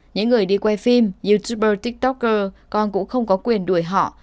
những người đi quay phim youtuber tiktoker con cũng không có quyền đuổi họ